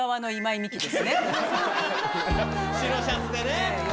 白シャツでね。